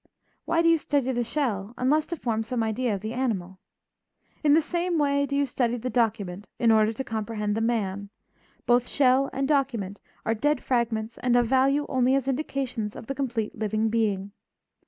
Why do you study the shell unless to form some idea of the animal? In the same way do you study the document in order to comprehend the man; both shell and document are dead fragments and of value only as indications of the complete living being.